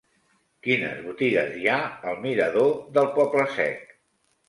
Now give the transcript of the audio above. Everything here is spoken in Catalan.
Quines botigues hi ha al mirador del Poble Sec?